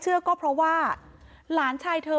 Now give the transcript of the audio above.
นางศรีพรายดาเสียยุ๕๑ปี